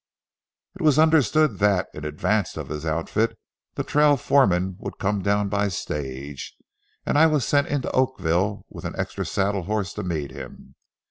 It was understood that, in advance of his outfit, the trail foreman would come down by stage, and I was sent into Oakville with an extra saddle horse to meet him.